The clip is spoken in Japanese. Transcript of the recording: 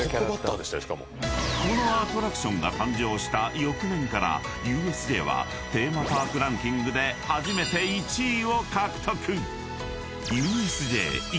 ［このアトラクションが誕生した翌年からＵＳＪはテーマパークランキングで初めて１位を獲得］